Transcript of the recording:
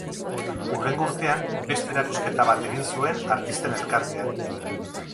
Hurrengo urtean beste erakusketa bat egin zuen Artisten Elkartean.